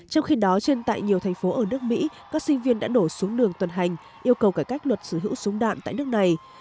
trong khi đó trên tại nhiều thành phố ở nước mỹ các sinh viên đã đổ xuống đường tuần hành yêu cầu cải cách luật sở hữu súng đạn tại nước này